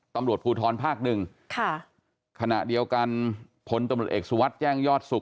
ตำรวจภูทรภาคหนึ่งค่ะขณะเดียวกันพลตำรวจเอกสุวัสดิ์แจ้งยอดสุข